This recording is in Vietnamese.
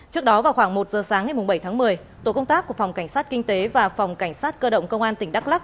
trước đó vào khoảng một giờ sáng ngày bảy tháng một mươi tổ công tác của phòng cảnh sát kinh tế và phòng cảnh sát cơ động công an tỉnh đắk lắc